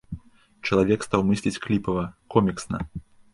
Чалавек стаў мысліць кліпава, коміксна.